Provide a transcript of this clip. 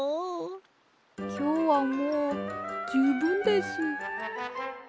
きょうはもうじゅうぶんです。